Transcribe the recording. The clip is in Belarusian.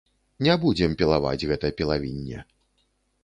Не будзем пілаваць гэта пілавінне.